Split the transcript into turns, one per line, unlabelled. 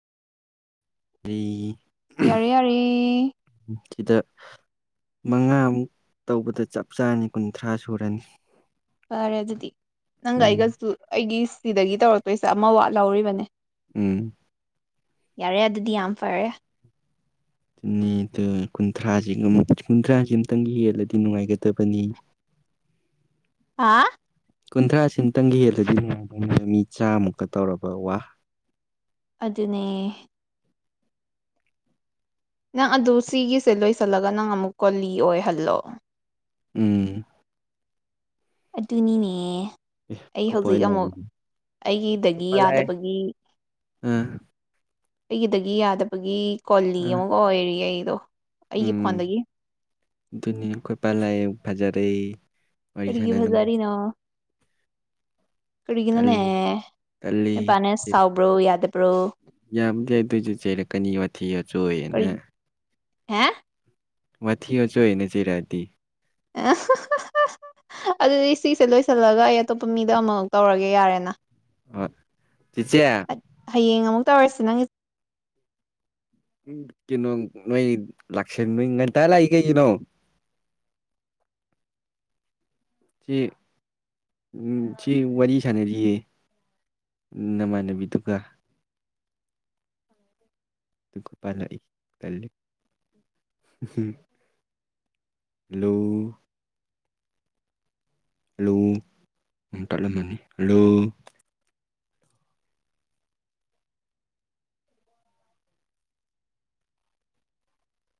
ꯑꯩꯔꯤ
ꯌꯥꯔꯦ ꯌꯥꯔꯦ
ꯁꯤꯗ ꯃꯉꯥꯃꯨꯛ ꯇꯧꯕꯗ ꯆꯞ ꯆꯥꯔꯅꯤ ꯀꯨꯟꯊ꯭ꯔꯥ ꯁꯨꯔꯅꯤ
ꯐꯔꯦ ꯑꯗꯨꯗꯤ ꯅꯪꯒ
ꯎꯝ
ꯑꯩꯒꯁꯨ ꯑꯩꯒꯤ ꯁꯤꯗꯒꯤ ꯇꯧꯔꯛꯇꯣꯏꯁꯦ ꯑꯃ ꯋꯥꯠ ꯂꯧꯔꯤꯕꯅꯦ
ꯎꯝ
ꯌꯥꯔꯦ ꯑꯗꯨꯗꯤ ꯌꯥꯝ ꯐꯔꯦ
ꯀꯨꯟꯊ꯭ꯔꯥꯁꯒ ꯀꯨꯟꯊ꯭ꯔꯥꯁꯤ ꯑꯃꯝꯇꯪꯒ ꯍꯦꯜꯂꯗꯤ ꯅꯨꯡꯉꯥꯏꯒꯗꯕꯅꯤ
ꯍꯥ
ꯀꯨꯟꯊ꯭ꯔꯥꯁꯤꯝꯇꯪꯒ ꯍꯦꯜꯂꯗꯤ ꯅꯨꯡꯉꯥꯏꯗꯧꯅꯤ ꯃꯤ ꯆꯥꯃꯨꯛꯀ ꯇꯧꯔꯕ ꯋꯥ
ꯑꯗꯨꯅꯦ ꯅꯪ ꯑꯗꯨ ꯁꯤꯒꯤꯁꯦ ꯂꯣꯏꯁꯤꯜꯂꯒ ꯅꯪ ꯑꯃꯨꯛ ꯀꯨꯜꯂꯤ ꯑꯣꯏꯍꯜꯂꯣ
ꯎꯝ
ꯑꯗꯨꯅꯤꯅꯦ ꯑꯩ
ꯀꯣꯏꯄꯥꯏ
ꯍꯧꯖꯤꯛ ꯑꯃꯨꯛ
ꯂꯥꯛꯑꯦ
ꯑꯩꯒꯤꯗꯒꯤ
ꯀꯣꯏꯄꯥꯏ ꯂꯥꯛꯑꯦ
ꯌꯥꯗꯕꯒꯤ
ꯑꯥ
ꯑꯩꯒꯤꯗꯒꯤ ꯌꯥꯗꯕꯒꯤ ꯀꯣꯂꯤ
ꯑꯥ
ꯑꯃꯒ ꯑꯣꯏꯔꯤ ꯑꯩꯗꯣ ꯑꯩꯒꯤ
ꯎꯝ
ꯐꯣꯟꯗꯒꯤ
ꯑꯗꯨꯅꯤ ꯑꯩꯈꯣꯏ ꯄꯥ ꯂꯥꯛꯏ ꯐꯖꯔꯦ ꯋꯥꯔꯤ
ꯀꯔꯤꯒꯤ
ꯁꯥꯟꯅ ꯅꯨꯡꯉꯥꯏ
ꯐꯖꯔꯤꯅꯣ ꯀꯔꯤꯒꯤꯅꯣꯅꯦ
ꯇꯜꯂꯤ ꯇꯜꯂꯤ
ꯅꯣꯏꯄꯥꯅ ꯁꯥꯎꯕ꯭ꯔꯣ ꯌꯥꯗꯕ꯭ꯔꯣ
ꯌꯥꯕꯨꯗꯤ ꯌꯥꯢ ꯑꯗꯨꯏꯁꯨ ꯆꯩꯔꯛꯀꯅꯤ ꯋꯥꯊꯤ
ꯀꯔꯤ
ꯋꯥꯆꯣꯏꯑꯅ
ꯍꯥ
ꯋꯥꯊꯤ ꯋꯥꯆꯣꯏꯅ ꯆꯩꯔꯛꯑꯗꯤ
ꯑ ꯑꯗꯨꯗꯤ ꯁꯤꯁꯦ ꯂꯣꯏꯁꯤꯜꯂꯒ ꯑꯩ ꯑꯇꯣꯞꯄ ꯃꯤꯗ ꯑꯃꯃꯨꯛ ꯇꯧꯔꯒꯦ ꯌꯥꯔꯦꯅ
ꯍꯣꯢ ꯆꯤꯆꯦ
ꯍꯌꯦꯡ ꯑꯃꯨꯛ ꯇꯧꯔꯁꯤ ꯅꯪꯒꯤ
ꯎ ꯀꯩꯅꯣ ꯅꯣꯏ ꯂꯥꯛꯁꯟ ꯅꯣꯏ ꯉꯟꯇꯥ ꯂꯥꯛꯏ ꯀꯩꯒꯤꯅꯣ ꯁꯤ ꯁꯤ ꯋꯥꯔꯤ ꯁꯥꯟꯅꯔꯤꯌꯦ ꯅꯃꯥꯟꯅꯕꯤꯗꯨꯒ ꯑꯈꯣꯢꯄꯥ ꯂꯥꯛꯢ ꯇꯜꯂꯤ ꯍꯂꯣ ꯍꯜꯂꯣ ꯎꯝ ꯇꯠꯂꯝꯃꯅꯤ ꯍꯜꯂꯣ